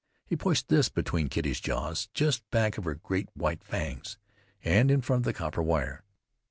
He pushed this between Kitty's jaws, just back of her great white fangs, and in front of the copper wire.